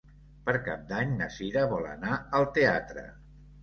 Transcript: Per Cap d'Any na Cira vol anar al teatre.